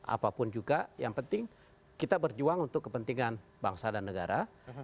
apapun juga yang penting kita berjuang untuk kepentingan bangsa dan negara